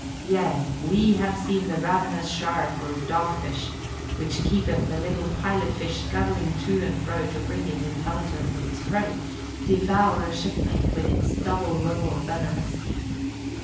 Yea, we have seen the ravenous shark or dog fish (which keepeth a little pilot fish scudding to and fro to bring it intelligence of its prey) devour a shipmate with its double row of venomous teeth.